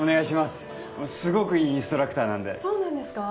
すごくいいインストラクターなんでそうなんですか？